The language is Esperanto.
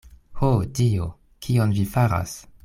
Ho, Dio! kion vi faras!